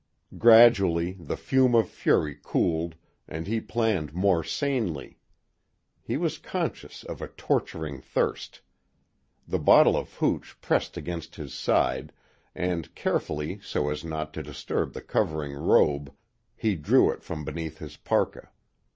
Gradually the fume of fury cooled and he planned more sanely. He was conscious of a torturing thirst. The bottle of hooch pressed against his side, and carefully so as not to disturb the covering robe, he drew it from beneath his parka.